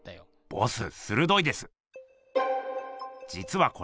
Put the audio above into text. ボスするどいです。